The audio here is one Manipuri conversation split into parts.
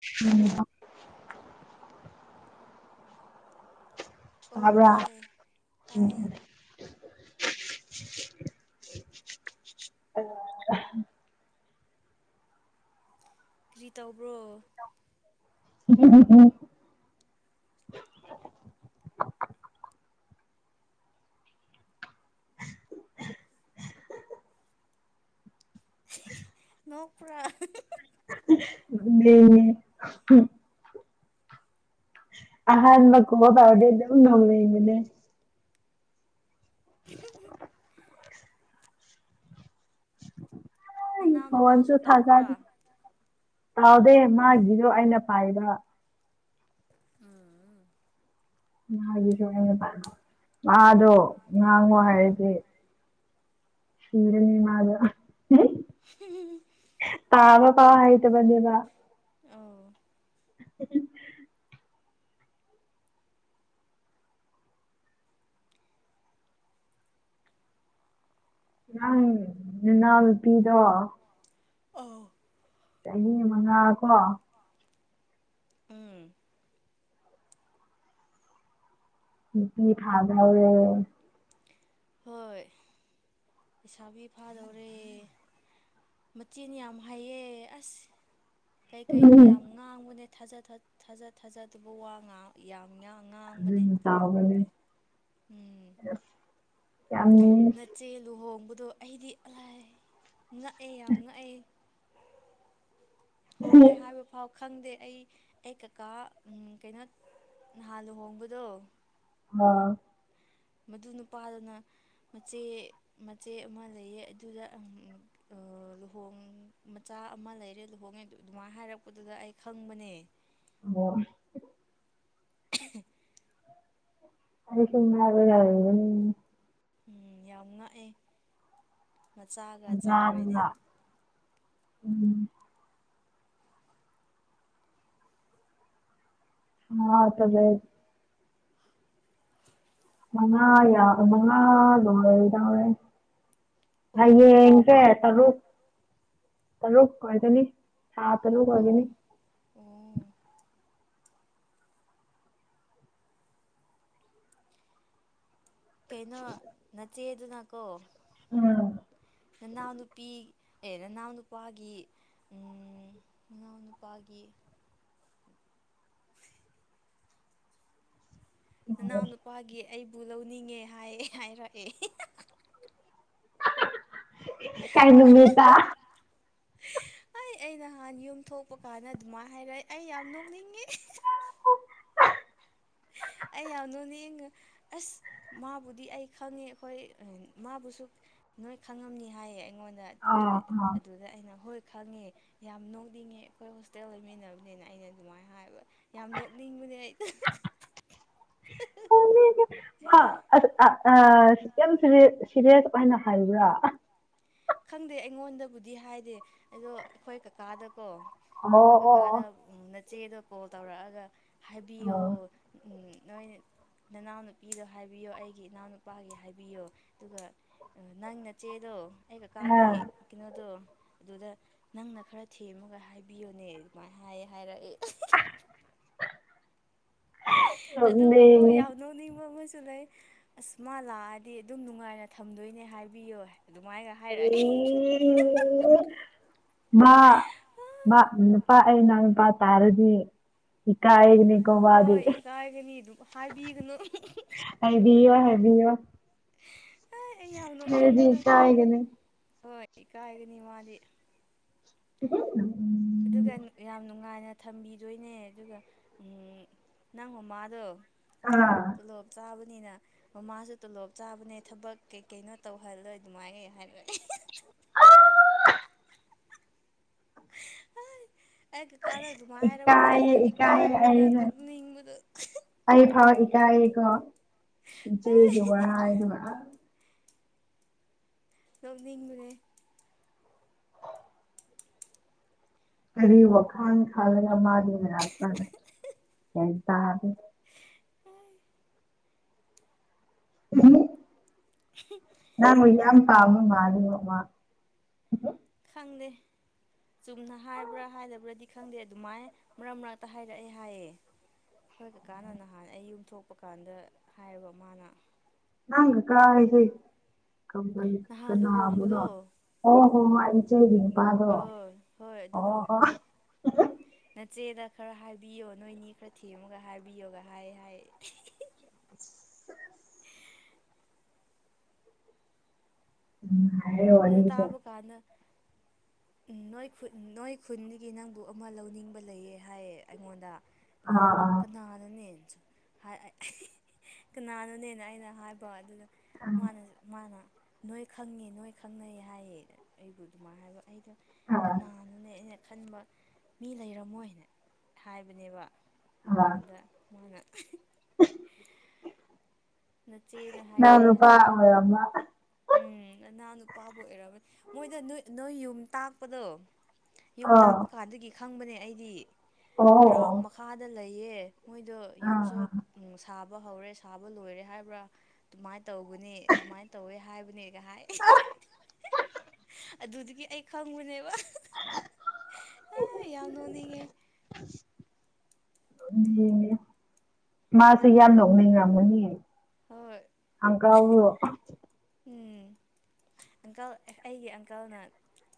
ꯎꯝ ꯑꯣ ꯇꯕ꯭ꯔꯥ ꯇꯥꯏꯌꯦ ꯎꯝ ꯇꯥꯏꯌꯦ [inaudible] [inaudible] ꯑ ꯀ꯭ꯔꯤ ꯇꯧꯕ꯭ꯔꯣ [inaudible] ꯅ‌ꯣꯛꯄ꯭ꯔꯥ ꯂ‌ꯦꯝꯃ‌ꯦ ꯑꯍꯥꯟꯕ ꯀ‌ꯣ ꯐꯥꯎꯗꯤ ꯑꯗꯨꯝ ꯊ‌ꯣꯡꯅꯤꯡꯕꯅ‌ꯦ [inaudible] ꯍꯧꯁ ꯅꯅꯥꯎ ꯐ‌ꯣꯟꯁꯨ ꯅꯨꯄꯥꯁꯨ ꯇꯧꯕ꯭ꯔꯥ ꯊꯥꯖꯥꯗ‌ꯦ ꯇꯥꯍꯧꯗꯦ ꯃꯥꯒꯤꯁꯨ ꯑꯩꯅ ꯄꯥꯏꯕ ꯎꯝ ꯉꯥꯒꯤꯁꯨ ꯍꯥꯏꯅ‌ꯦꯕ ꯃꯥꯗ‌ꯣ ꯑꯣ ꯉꯥꯡꯉꯣ ꯎꯝ ꯍꯥꯏꯔꯗꯤ ꯁꯤꯔꯅꯤ ꯃꯥꯗ‌ꯣ [unintelligible] ꯄꯥꯕ ꯄꯥꯛ ꯍꯩꯇꯕꯅ‌ꯦꯕ ꯑꯧ [inaudible] ꯅꯪ ꯅꯅꯥꯎ ꯅꯨꯄꯤꯗꯣ ꯑꯧ ꯆꯍꯤ ꯃꯉꯥ ꯀꯣ ꯎꯝ ꯅꯨꯄꯤ ꯐꯥꯕ ꯍꯩꯌ‌ꯦ ꯍꯣꯏ ꯂꯩꯁꯥꯕꯤ ꯐꯥꯗꯧꯔꯦ ꯃꯆꯤꯟ ꯌꯥꯝ ꯍꯩꯌ‌ꯦ ꯑꯁ ꯀꯩ ꯀꯩꯅꯣ ꯑꯗꯨꯝ ꯌꯥꯝ ꯉꯥꯡꯕꯅꯦ ꯊꯥꯖ ꯊꯥ ꯊꯥꯖ ꯊꯥꯖꯗꯕ ꯋꯥ ꯉꯥꯡ ꯌꯥꯝ ꯉꯥꯡ ꯉꯥꯡꯕꯅꯦ ꯇꯥꯒꯅꯦ ꯎꯝ ꯌꯥꯝꯃꯤ ꯆꯦ ꯂꯨꯍꯣꯡꯕꯗꯣ ꯑꯩꯗꯤ ꯂꯥꯏ ꯉꯛꯑꯦ ꯌꯥꯝ ꯉꯛꯑꯦ ꯍ‌ꯣꯡꯉ‌ꯦ ꯍꯥꯏꯕ ꯐꯥꯎ ꯈꯪꯗꯦ ꯑꯩ ꯑꯩ ꯀꯀꯥ ꯎꯝ ꯀꯩꯅꯣ ꯅꯍꯥꯟ ꯂꯨꯍꯣꯡꯕꯗꯣ ꯑꯣ ꯃꯗꯨ ꯅꯨꯄꯥꯗꯨꯅ ꯃꯆꯦ ꯃꯆꯦ ꯑꯃ ꯂꯩꯌꯦ ꯑꯗꯨꯗ ꯎꯝ ꯑ ꯂꯨꯍꯣꯡ ꯃꯆꯥ ꯑꯃ ꯂꯩꯔꯦ ꯂꯨꯍꯣꯡꯉꯦ ꯑꯗꯨ ꯑꯗꯨꯃꯥꯏꯅ ꯍꯥꯏꯔꯛꯄꯗꯨꯗ ꯑꯩ ꯈꯪꯕꯅꯦ ꯑꯣ [unintelligible] ꯑꯩ ꯁꯨꯝ ꯍꯥꯏꯕ ꯌꯥ ꯎꯝ ꯎꯝ ꯌꯥꯝ ꯉꯛꯑꯦ ꯃꯆꯥꯒ ꯆꯥꯎꯔꯦꯅꯦ [unintelligible] ꯎꯝ [unintelligible] [inaudible] ꯃꯉꯥ ꯌꯥ ꯃꯉꯥ ꯒꯨꯝꯕꯗꯤ ꯌꯥꯎꯔꯦ ꯑꯣ ꯍꯌꯦꯡꯁꯦ ꯇꯔꯨꯛ ꯇꯔꯨꯛ ꯑꯣꯏꯒꯅꯤ [unintelligible] ꯇꯔꯨꯛ ꯑꯣ ꯑꯣꯏꯒꯅꯤ ꯑꯣ ꯀꯩꯅꯣ ꯅꯆꯦꯗꯨꯅꯀꯣ [unintelligible] ꯅꯅꯥꯎꯅꯨꯄꯤ ꯑꯦ ꯅꯅꯥꯎ ꯅꯨꯄꯥꯒꯤ ꯎꯝ ꯃꯅꯥꯎꯅꯨꯄꯥꯒꯤ ꯅꯅꯥꯎꯅꯨꯄꯥꯒꯤ ꯑꯩꯕꯨ ꯂꯧꯅꯤꯡꯉꯦ ꯍꯥꯏ ꯍꯥꯏꯔꯛꯑꯦ ꯀꯩ ꯅꯨꯃꯤꯠꯇ ꯑꯩ ꯑꯩ ꯅꯍꯥꯟ ꯌꯨꯝ ꯊꯣꯛꯄ ꯀꯥꯟꯗ ꯑꯗꯨꯃꯥꯏ [unintelligible] ꯑꯩ ꯌꯥꯝ ꯅꯣꯛꯅꯤꯡꯉꯤ ꯑꯩ ꯌꯥꯝ ꯅꯣꯛꯅꯤꯡꯉꯦ ꯑꯁ ꯃꯥꯕꯨꯗꯤ ꯑꯩ ꯈꯪꯉꯦ ꯑꯩꯈꯣꯏ ꯃꯥꯕꯨꯁꯨ ꯅꯣꯏ ꯈꯪꯉꯝꯅꯤ ꯍꯥꯏꯌꯦ ꯑꯩꯉꯣꯟꯗ ꯑꯥ ꯑꯥ [unintelligible] ꯑꯗꯨꯗ ꯑꯩꯅ ꯍꯣꯏ ꯈꯪꯉꯦ ꯌꯥꯝ ꯅꯣꯛꯅꯤꯡꯉꯦ ꯑꯩꯈꯣꯏ ꯍꯣꯁꯇꯦꯜ ꯂꯩꯃꯤꯟꯅꯕꯅꯤꯅ ꯑꯩꯅ ꯑꯗꯨꯃꯥꯏ ꯍꯥꯏꯕ ꯌꯥꯝ ꯅꯣꯛꯅꯤꯡꯕꯅꯦ [unintelligible] ꯍꯥ ꯑ ꯑ ꯑꯥ ꯌꯥꯝ ꯁꯤꯔꯦꯁ ꯁꯤꯔꯦꯁ ꯑꯣꯏꯅ ꯍꯥꯏꯕ꯭ꯔꯥ ꯈꯪꯗꯦ ꯑꯩꯉꯣꯟꯗꯕꯨꯗꯤ ꯍꯥꯏꯗꯦ ꯑꯗꯨ ꯑꯩꯈꯣꯏ ꯀꯥꯀꯥꯗꯀꯣ ꯑꯣ ꯑꯩꯈꯣꯏ ꯑꯣ ꯀꯥꯀꯥꯗ ꯎꯝ ꯅꯆꯦꯗꯣ ꯀꯣꯜ ꯇꯧꯔꯛꯑꯒ ꯍꯥꯏꯕꯤꯌꯣ ꯑꯣ ꯎꯝ ꯅꯣꯏꯅ ꯅꯅꯥꯎꯅꯨꯄꯤꯗꯣ ꯍꯥꯏꯕꯤꯌꯣ ꯑꯩꯒꯤ ꯏꯅꯥꯎꯅꯨꯄꯥꯒꯤ ꯍꯥꯏꯕꯤꯌꯣ ꯑꯗꯨꯒ ꯑꯥ ꯅꯪ ꯅꯆꯦꯗꯣ ꯑꯩ ꯑ ꯀꯥꯀꯥꯒꯤ ꯀꯩꯅꯣꯗꯨ ꯑꯗꯨꯗ ꯅꯪꯅ ꯈꯔ ꯊꯦꯝꯃꯒ ꯍꯥꯏꯕꯤꯌꯨꯅꯦ ꯑꯗꯨꯃꯥꯏ ꯍꯥꯏꯌꯦ ꯍꯥꯏꯔꯛꯑꯦ ꯑꯗꯨꯒ ꯀꯣ ꯅꯣꯛꯅꯤꯡꯉꯦ ꯌꯥꯝ ꯅꯣꯛꯅꯤꯡꯕ ꯑꯃꯁꯨ ꯂꯩ ꯑꯁ ꯃꯥ ꯂꯥꯛꯑꯗꯤ ꯑꯗꯨꯝ ꯅꯨꯡꯉꯥꯏꯅ ꯊꯝꯗꯣꯏꯅꯦ ꯍꯥꯏꯕꯤꯌꯣ ꯑꯗꯨꯃꯥꯏꯅ ꯍꯥꯏꯔꯛ [unintelligible] [unintelligible] ꯃꯥ ꯃꯥ ꯅꯨꯄꯥ ꯑꯩ ꯏꯅꯥꯎꯅꯨꯄꯥ ꯇꯥꯔꯗꯤ ꯏꯀꯥꯏꯒꯅꯤ ꯍꯣꯏ ꯏꯀꯥꯏꯒꯅꯤ [unintelligible] ꯍꯥꯏꯕꯤꯒꯅꯨ ꯍꯥꯏꯕꯤꯔꯣꯏ ꯍꯥꯏꯕꯤꯔꯣꯏ [unintelligible] ꯑꯩ ꯌꯥꯝ ꯅꯣꯛꯅꯤꯡꯕꯗꯣ ꯏꯀꯥꯏꯒꯅꯤ ꯍꯣꯏ ꯏꯀꯥꯏꯒꯅꯤ ꯃꯥꯗꯤ [unintelligible] ꯑꯗꯨꯒ ꯌꯥꯝ ꯅꯨꯡꯉꯥꯏꯅ ꯊꯝꯕꯤꯗꯣꯏꯅꯦ ꯑꯗꯨꯒ ꯎꯝ ꯅꯪ ꯃꯃꯥꯗꯨ ꯑꯥ ꯇꯣꯂꯣꯞ ꯆꯥꯕꯅꯤꯅ ꯃꯃꯥꯁꯨ ꯇꯣꯂꯣꯞ ꯆꯥꯕꯅꯦ ꯊꯕꯛ ꯀꯩ ꯀꯩꯅꯣ ꯇꯧꯍꯜꯂꯣꯏ ꯑꯗꯨꯃꯥꯏ [unintelligible] ꯍꯥꯏꯔꯛ [unintelligible] ꯑꯩ ꯀꯀꯥꯗ ꯑꯗꯨꯃꯥꯏ ꯍꯥꯏꯔꯛꯄꯗ ꯏꯀꯥꯏꯌꯦ ꯑꯩꯗꯣ ꯏꯀꯥꯏꯌꯦ ꯏꯀꯥꯏꯔꯒ ꯑꯩꯅ ꯅꯣꯛꯅꯤꯡꯕꯗꯨ ꯑꯩ ꯐꯧ ꯏꯀꯥꯏꯔꯤꯀꯣ ꯏꯆꯦꯒꯤ ꯋꯥ ꯍꯥꯏꯗꯨꯒ ꯅꯣꯛꯅꯤꯡꯕꯅꯦ ꯀꯔꯤ ꯋꯥꯈꯟ ꯈꯟꯂꯒ ꯃꯥꯗꯤ [unintelligible] ꯒ꯭ꯌꯥꯟ ꯇꯥꯗꯦ [unintelligible] [unintelligible] [unintelligible] ꯅꯪꯕꯨ ꯌꯥꯝ ꯄꯥꯝꯕ ꯃꯥꯟꯂꯦꯕꯨ ꯃꯥ ꯈꯪꯗꯦ ꯆꯨꯝꯅ ꯍꯥꯏꯕ꯭ꯔꯥ ꯍꯥꯏꯗꯕ꯭ꯔꯗꯤ ꯈꯪꯗꯦ ꯑꯗꯨꯃꯥꯏ ꯃꯔꯛ ꯃꯔꯛꯇ ꯍꯥꯏꯔꯛꯑꯦ ꯍꯥꯏꯌꯦ ꯑꯈꯣꯏ ꯀꯀꯥꯅ ꯅꯍꯥꯟ ꯑꯩ ꯌꯨꯝ ꯊꯣꯛꯄ ꯀꯥꯟꯗ ꯍꯥꯏꯕ ꯃꯥꯅ ꯅꯪ ꯀꯀꯥ ꯍꯥꯏꯁꯦ [unintelligible] ꯅꯍꯥꯟ ꯀꯅꯥꯕꯨꯅꯣ ꯂꯨꯍꯣꯡꯕꯗꯣ ꯑꯣ ꯍꯣꯏ ꯍꯣꯏ [unintelligible] ꯅꯨꯄꯥꯗꯣ ꯑꯣ ꯍꯣꯏ ꯑꯗꯨꯗꯣ ꯑꯣ ꯅꯆꯦꯗ ꯈꯔ ꯍꯥꯏꯕꯤꯌꯣ ꯅꯣꯏꯅꯤ ꯈꯔ ꯊꯦꯝꯃꯒ ꯍꯥꯏꯕꯤꯌꯣꯒ ꯍꯥꯏ ꯍꯥꯏ [inaudible] ꯑꯗꯨ ꯇꯥꯕ ꯀꯥꯟꯗ ꯎꯝ ꯅꯣꯏ ꯈꯨ ꯅꯣꯏ ꯈꯨꯟꯗꯒꯤ ꯅꯪꯕꯨ ꯑꯃ ꯂꯧꯅꯤꯡꯕ ꯂꯩꯌꯦ ꯍꯥꯏꯌꯦ ꯑꯩꯉꯣꯟꯗ ꯑꯗꯨꯃꯥꯏꯅ ꯑꯥ ꯑꯥ ꯀꯅꯥꯅꯣꯅꯦ [unintelligible] [unintelligible] ꯀꯅꯥꯅꯣꯅꯦꯅ ꯑꯩꯅ ꯍꯥꯏꯕ ꯑꯗꯨꯗ ꯃꯥꯅꯁꯨ ꯃꯥꯅ ꯅꯣꯏ ꯈꯪꯉꯦ ꯅꯣꯏ ꯈꯪꯅꯩ ꯍꯥꯏꯌꯦ ꯑꯩꯕꯨ ꯑꯗꯨꯃꯥꯏ ꯍꯥꯏꯕ ꯑꯩꯗꯣ ꯑꯥ ꯀꯅꯥꯅꯣꯅꯦ ꯑꯩꯅ ꯈꯟꯕ ꯃꯤ ꯂꯩꯔꯝꯃꯣꯏꯅ ꯍꯥꯏꯕꯅꯦꯕ ꯑꯥ ꯍꯧꯖꯤꯛꯀꯥꯟꯗ ꯃꯥꯅ ꯅꯆꯦꯅ ꯅꯪ ꯍꯥꯏꯔꯛꯑꯦ ꯅꯨꯄꯥ ꯍꯥꯏꯕ ꯑꯣꯏꯔꯝꯕ ꯎꯝ ꯅꯅꯥꯎ ꯅꯨꯄꯥꯕꯨ [unintelligible] ꯃꯣꯏꯗ ꯅꯣꯏ ꯅꯣꯏ ꯌꯨꯝ ꯇꯥꯛꯄꯗꯣ ꯌꯨꯝ ꯑꯥ ꯑꯣ ꯇꯥꯛꯄ ꯀꯥꯟꯗꯒꯤ ꯈꯪꯕꯅꯦ ꯑꯩꯗꯤ ꯒ꯭ꯔꯥꯎꯟ ꯑꯣ ꯃꯈꯥꯗ ꯂꯩꯌꯦ ꯃꯣꯏꯗꯣ ꯑꯥ ꯌꯨꯝꯁꯨ ꯑꯥ ꯎꯝ ꯁꯥꯕ ꯍꯧꯔꯦ ꯁꯥꯕ ꯂꯣꯏꯔꯦ ꯍꯥꯏꯕ꯭ꯔꯥ ꯑꯗꯨꯃꯥꯏꯅ ꯇꯧꯕꯅꯤ ꯑꯗꯨꯃꯥꯏꯅ ꯇꯧꯋꯦ ꯍꯥꯏꯕꯅꯦꯒ ꯍꯥꯏ ꯑꯗꯨꯗꯒꯤ ꯑꯩ ꯈꯪꯕꯅꯦꯕ ꯑ ꯌꯥꯝ ꯅꯣꯛꯅꯤꯡꯉꯦ [inaudible] ꯃꯥꯁꯨ ꯌꯥꯝ ꯅꯣꯛꯅꯤꯡꯔꯝꯒꯅꯤ ꯍꯣꯏ [unintelligible] ꯎꯝ ꯑꯪꯀꯜ ꯑꯩꯒꯤ ꯑꯪꯀꯜꯅ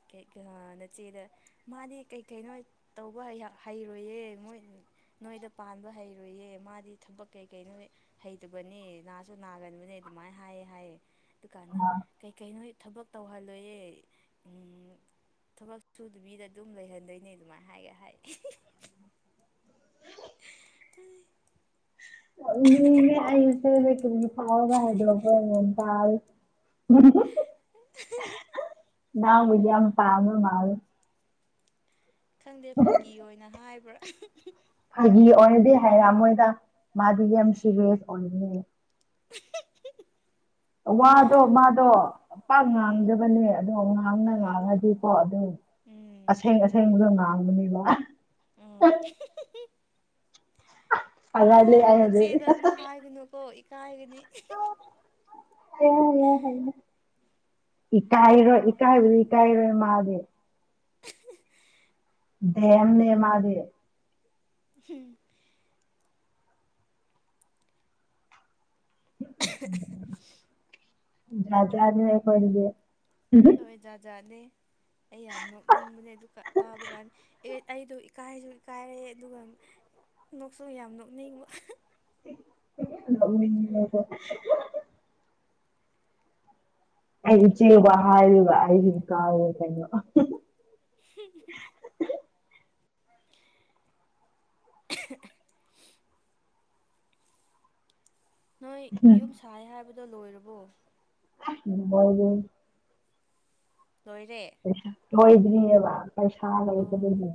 [unintelligible] ꯅꯆꯦꯗ ꯃꯥꯗꯤ ꯀꯩꯀꯩꯅꯣ ꯇꯧꯕ [unintelligible] ꯍꯩꯔꯣꯏꯌꯦ ꯃꯣꯏ ꯅꯣꯏꯗ ꯄꯥꯟꯕ ꯍꯩꯔꯣꯏꯌꯦ ꯃꯥꯗꯤ ꯊꯕꯛ ꯀꯩꯀꯩꯩꯅꯣꯏ ꯍꯩꯇꯕꯅꯦ ꯅꯥꯁꯨ ꯅꯥꯒꯟꯕꯅꯦ ꯑꯗꯨꯃꯥꯏ ꯍꯥꯏ ꯍꯥꯏꯌꯦ ꯑꯗꯨꯀꯥꯟꯅ ꯀꯩꯀꯩꯅꯣ [unintelligible] ꯊꯕꯛ ꯇꯧꯍꯜꯂꯣꯏꯌꯦ ꯎꯝ ꯊꯕꯛ ꯁꯨꯗꯕꯤꯗ ꯑꯗꯨꯝ ꯂꯩꯍꯟꯗꯣꯏꯅꯦ ꯑꯗꯨꯃꯥꯏ ꯍꯥꯏ ꯍꯥꯏ [unintelligible] [unintelligible] ꯅꯪꯕꯨꯗꯤ ꯌꯥꯝ ꯄꯥꯝꯕ ꯃꯥꯟꯂꯦ ꯈꯪꯗꯦ ꯐꯥꯒꯤ ꯑꯣꯏꯅ ꯍꯥꯏꯕ꯭ꯔꯥ ꯐꯥꯒꯤ ꯑꯣꯏꯔꯗꯤ ꯍꯥꯏꯔꯛꯑꯝꯃꯣꯏꯗ ꯃꯥꯗꯤ ꯌꯥꯝ ꯁꯤꯔꯤꯌꯁ ꯑꯣꯏꯕꯅꯤ ꯋꯥꯗꯣ ꯃꯥꯗꯣ ꯄꯥꯛ ꯎꯝ ꯉꯥꯡꯗꯕꯅꯦ ꯑꯗꯣ ꯉꯥꯡꯅ ꯍꯣꯏ ꯉꯥꯡꯉꯗꯤꯀꯣ ꯑꯗꯨ ꯎꯝ ꯑꯁꯦꯡ ꯑꯁꯦꯡꯕꯗꯣ ꯉꯥꯡꯕꯅꯦꯕ ꯎꯝ ꯍꯥꯏꯒꯠꯂꯦ ꯍꯥꯏ ꯑꯩ ꯅꯆꯦꯗ ꯑꯃꯨꯛ ꯍꯥꯏꯒꯅꯨꯀꯣ ꯏꯀꯥꯏꯒꯅꯤ [unintelligible] ꯏꯀꯥꯏꯔꯣꯏ ꯏꯀꯥꯏꯕꯗꯤ ꯏꯀꯥꯏꯔꯣꯏ ꯃꯥꯗꯤ ꯗꯦꯝꯅꯦ ꯃꯥꯒꯤ [unintelligible] ꯖꯥꯠ ꯖꯥꯠꯅꯦ ꯑꯩꯈꯣꯏꯗꯗꯤ ꯍꯣꯏ ꯖꯥꯠ ꯖꯥꯠꯅꯤ ꯑꯩ ꯌꯥꯝ ꯅꯣꯛꯅꯤꯡꯕꯅꯦ ꯑꯗꯨ ꯀꯥ ꯇꯥꯕ ꯀꯥꯟꯗ ꯑꯩꯗꯣ ꯏꯀꯥꯏꯁꯨ ꯏꯀꯥꯏꯔꯦ ꯑꯗꯨꯒ ꯅꯣꯛꯁꯨ ꯌꯥꯝ ꯅꯣꯛꯅꯤꯡꯕ ꯅꯣꯛꯅꯤꯡꯕ꯭ꯔꯥꯀꯣ ꯑꯩꯁꯨ ꯆꯤꯡꯋꯥ ꯍꯥꯏꯔꯒ ꯑꯩꯁꯨ ꯀꯥꯎꯔꯦ ꯀꯩꯅꯣ [unintelligible] ꯅꯣꯏ ꯌꯨꯝ ꯁꯥꯏ ꯍꯥꯏꯕꯗꯣ ꯂꯣꯏꯔꯕꯣ ꯂꯣꯏꯔꯦ ꯂꯣꯏꯔꯦ ꯄꯩꯁꯥ ꯂꯣꯏꯗ꯭ꯔꯤꯑꯕ ꯄꯩꯁꯥ ꯑꯣ ꯂꯩꯇꯕꯒꯤ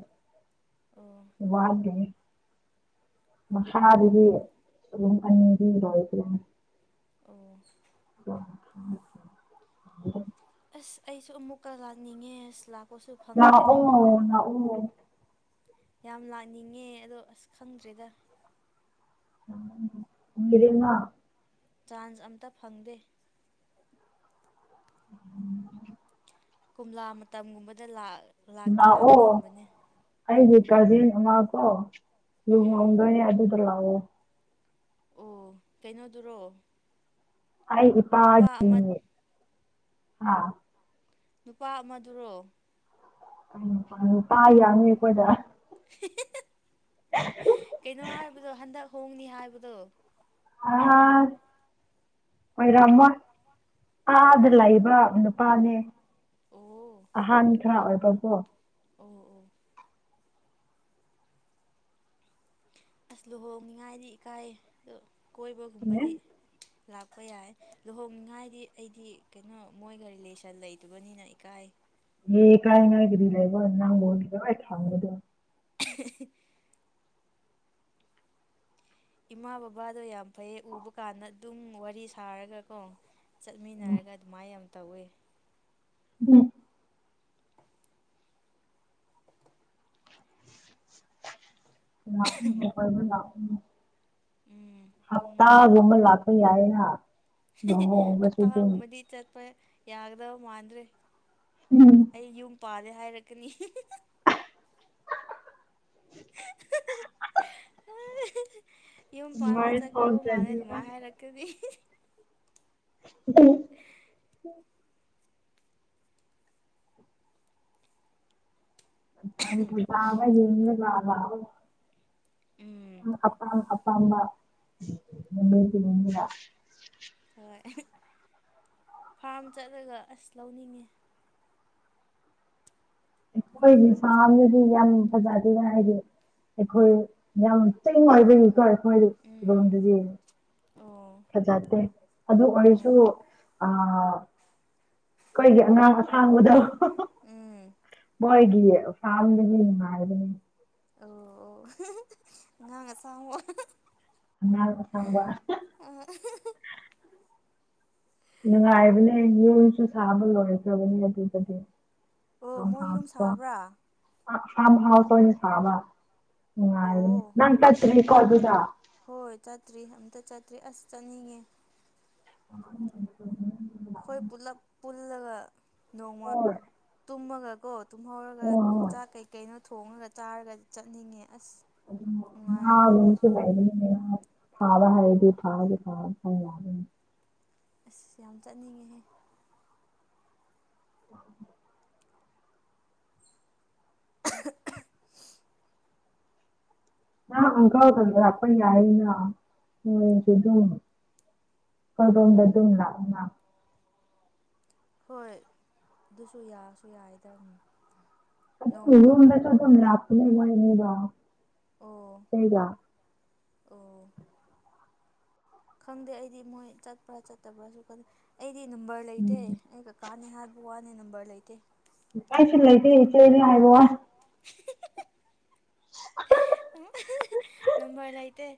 ꯑꯣ ꯋꯥꯗꯣꯔꯤ ꯃꯁꯥꯗꯨꯗꯤ ꯑꯗꯨꯨꯝ ꯀꯟꯕꯤꯔꯣꯏ ꯑꯗꯨꯅ ꯑꯣ ꯎꯝ ꯑꯁ ꯑꯩꯁꯨ ꯑꯃꯨꯛꯀ ꯂꯥꯛꯅꯤꯡꯉꯦ ꯑꯁ ꯂꯥꯛ ꯂꯥꯛꯑꯣ ꯂꯥꯛꯑꯣ ꯌꯥꯝ ꯂꯥꯛꯅꯤꯡꯉꯦ ꯑꯗꯣ ꯑꯁ ꯈꯪꯗ꯭ꯔꯦꯗ ꯃꯤꯔꯤꯃꯥ ꯆꯥꯟꯁ ꯑꯝꯇ ꯐꯪꯗꯦ [unintelligible] ꯀꯣꯝꯂꯥ ꯃꯇꯝꯒꯨꯝꯕꯗ ꯂꯥꯛ ꯂꯥꯛꯑꯣ ꯑꯩꯒꯤ ꯀꯖꯤꯟ ꯃꯥ ꯀꯣ ꯎꯝ ꯂꯨꯍꯣꯡꯗꯣꯏꯅꯤ ꯑꯗꯨꯗ ꯂꯥꯛꯑꯣ ꯑꯣ ꯀꯩꯅꯣꯗꯨꯔꯣ ꯑꯩ ꯅꯨꯄꯥ ꯑꯃ ꯏꯄꯥꯒꯤꯅꯦ ꯍꯥ ꯅꯨꯄꯥ ꯑꯃꯗꯨꯔꯣ ꯅꯨꯄꯥ ꯌꯥꯝꯃꯤ ꯑꯩꯈꯣꯏꯗ ꯀꯩꯅꯣ ꯍꯥꯏꯕꯗꯣ ꯍꯟꯗꯛ ꯍꯣꯡꯅꯤ ꯍꯥꯏꯕꯗꯣ ꯑ ꯑꯣꯏꯣꯏꯔꯝꯃꯣꯏ ꯑꯥꯗ ꯑꯣ ꯂꯩꯕ ꯅꯨꯄꯥꯅꯦ ꯑꯣ ꯑꯍꯥꯟ ꯈꯔ ꯑꯣꯏꯕ ꯀꯣ ꯑꯣ ꯑꯣ ꯑꯁ ꯂꯨꯍꯣꯡꯅꯤꯉꯥꯏꯗꯤ ꯏꯀꯥꯏꯑꯦ ꯀꯣꯏꯕꯒꯨꯝꯕꯗꯤ ꯂꯥꯛꯄ ꯌꯥꯏ ꯂꯨꯍꯣꯡꯅꯤꯡꯉꯥꯏꯗꯤ ꯑꯩꯗꯤ ꯀꯩꯅꯣ ꯃꯣꯏꯒ ꯔꯤꯂꯦꯁꯟ ꯂꯩꯇꯕꯅꯤꯅ ꯏꯀꯥꯏ ꯀꯔꯤ ꯏꯀꯥꯏꯅꯤꯡꯉꯥꯏ ꯀꯔꯤ ꯂꯩꯕ ꯅꯪꯕꯨ ꯅꯨꯡꯉꯥꯏ ꯊꯝꯒꯗꯣꯏꯅꯤ [inaudible] ꯏꯃꯥ ꯕꯕꯥꯗꯣ ꯌꯥꯝ ꯐꯩꯌꯦ ꯎꯕ ꯀꯥꯟꯗ ꯑꯗꯨꯝ ꯋꯥꯔꯤ ꯁꯥꯔꯒ ꯀꯣ ꯆꯠꯃꯤꯟꯅꯔꯒ ꯑꯗꯨꯃꯥꯏꯅ ꯌꯥꯝ ꯇꯧꯋꯦ ꯎꯝ [inaudible] ꯂꯥꯛ ꯎ ꯀꯣꯏꯕ ꯂꯥꯛ ꯎ ꯎꯝ ꯅꯣꯡꯃ ꯂꯥꯛꯄ ꯌꯥꯏꯅ ꯂꯨꯍꯣꯡꯕꯁꯨ ꯑꯗꯨꯝ ꯍꯞꯇꯥꯒꯨꯝꯕꯗꯤ ꯆꯠꯄ ꯌꯥꯒꯗꯕ ꯃꯥꯥꯟꯗ꯭ꯔꯦ ꯎꯝ ꯑꯩ ꯌꯨꯝ ꯄꯥꯔꯦ ꯍꯥꯏꯔꯛꯀꯅꯤ ꯍ ꯌꯨꯝ ꯄꯥꯟꯕ ꯃꯣꯏ ꯆꯠꯈ꯭ꯔꯕ ꯃꯥꯜꯂꯦ ꯊꯣꯛꯇ꯭ꯔꯗꯤ ꯑꯗꯨꯃꯥꯏꯅ ꯑꯁ ꯍꯥꯏꯔꯛꯀꯗꯤ [unintelligible] [unintelligible] ꯎꯝ ꯑꯄꯥꯝ ꯑꯄꯥꯝꯕ [unintelligible] ꯍꯣꯏ ꯐꯥꯝ ꯆꯠꯂꯒ ꯑꯁ ꯂꯧꯅꯤꯡꯉꯦ ꯑꯩꯈꯣꯏꯒꯤ ꯐꯥꯝꯗꯤ ꯌꯥꯝ ꯐꯖꯗꯦꯗ ꯍꯥꯏꯗꯤ ꯑꯩꯈꯣꯏ ꯌꯥꯝ ꯆꯤꯡꯑꯣꯏꯕꯒꯤꯀꯣ ꯑꯩꯈꯣꯏ ꯎꯝ ꯔꯣꯝꯗꯗꯤ ꯑꯣ ꯐꯖꯗꯦ ꯑꯗꯨ ꯑꯣ ꯑꯣꯏꯔꯁꯨ ꯑꯥ ꯑꯩꯈꯣꯏꯒꯤ ꯑꯉꯥꯡ ꯑꯁꯥꯡꯕꯗꯣ ꯎꯝ ꯃꯣꯏꯒꯤ ꯐꯥꯝꯗꯗꯤ ꯅꯨꯡꯉꯥꯢꯕꯅꯤ ꯑꯣ ꯑꯣ [unintelligible] ꯑꯉꯥꯡ ꯑꯁꯥꯡꯕ ꯅꯨꯡꯉꯥꯏꯕꯅꯦ ꯌꯨꯝꯁꯨ ꯁꯥꯕ ꯂꯣꯏꯈ꯭ꯔꯕꯅꯦ ꯑꯗꯨꯗꯗꯤ ꯑꯣ ꯃꯣꯏ ꯌꯨꯝ ꯁꯥꯕ꯭ꯔꯥ [unintelligible] ꯐꯥꯝ ꯍꯥꯎꯁ ꯍꯣꯢꯅ ꯁꯥꯕ ꯅꯨꯡꯉꯥꯢꯕꯅꯦ ꯑꯣ ꯅꯪ ꯆꯠꯇꯔꯤꯀꯣ ꯑꯗꯨꯗ ꯍꯣꯏ ꯆꯠꯇ꯭ꯔꯤ ꯑꯝꯇ ꯆꯠꯇ꯭ꯔꯤ ꯑꯁ ꯆꯠꯅꯤꯡꯉꯦ [unintelligible] ꯈꯣꯏ ꯄꯨꯂꯞ ꯄꯨꯜꯂꯒ ꯅꯣꯡꯃ ꯍꯣꯏ ꯇꯨꯝꯃꯒꯀꯣ ꯇꯨꯝꯍꯧꯔꯒ ꯍꯣꯏ ꯍꯣꯏ ꯆꯥꯛ ꯀꯩ ꯀꯩꯅꯣ ꯊꯣꯡꯉꯒ ꯆꯥꯔꯒ ꯆꯠꯅꯤꯡꯉꯦ ꯑꯁ [unintelligible] ꯅꯨꯡꯉꯥꯏꯔꯅꯤ ꯉꯥꯒꯨꯝꯕꯁꯨ ꯂꯩꯕꯅꯤꯅꯦ ꯐꯥꯕ ꯎꯝ ꯍꯩꯔꯗꯤ ꯐꯥꯕꯗꯤ ꯐꯥ [unintelligible] ꯑꯁ ꯌꯥꯝ ꯆꯠꯅꯤꯡꯉꯦꯍꯦ [inaudible] [unintelligible] ꯅꯪ ꯑꯪꯀꯜꯒ ꯂꯥꯛꯄ ꯌꯥꯢꯌꯦꯅ ꯅꯪꯁꯨ ꯑꯗꯨꯝ ꯈꯣꯢꯔꯣꯝꯗ ꯑꯗꯨꯝ ꯂꯥꯛꯎꯅꯥ ꯍꯣꯏ ꯑꯗꯨꯁꯨ ꯌꯥꯁꯨ ꯌꯥꯏꯗꯥ [unintelligible] ꯌꯨꯝꯗꯁꯨ ꯑꯗꯨꯝ ꯂꯥꯛꯄꯅꯦ ꯃꯣꯢ ꯅꯤꯗꯣ ꯑꯣ [unintelligible] ꯑꯣ ꯈꯪꯗꯦ ꯑꯩꯗꯤ ꯃꯣꯏ ꯆꯠꯄ꯭ꯔꯥ ꯆꯠꯇꯕ꯭ꯔꯥꯁꯨ ꯈꯪꯗꯦ ꯑꯩꯗꯤ ꯅꯝꯕꯔ ꯂꯩꯇꯦ ꯎꯝ ꯑꯩꯒ ꯀꯥꯅꯤ ꯍꯥꯏꯕ ꯋꯥꯅꯦ ꯅꯝꯕꯔ ꯂꯩꯇꯦ ꯑꯩꯁꯨ ꯂꯩꯇꯦ ꯏꯆꯦꯅꯦ ꯍꯥꯏꯕ ꯋꯥꯅꯦ [unintelligible] ꯅꯝꯕꯔ ꯂꯩꯇꯩ